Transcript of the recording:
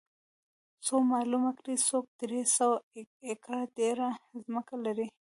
څو معلومه کړي څوک درې سوه ایکره ډېره ځمکه لري